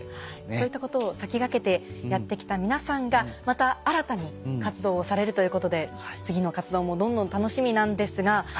そういったことを先駆けてやって来た皆さんがまた新たに活動をされるということで次の活動もどんどん楽しみなんですが。